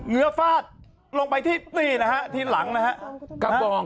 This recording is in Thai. ื้อฟาดลงไปที่นี่นะฮะทีหลังนะฮะกระบอง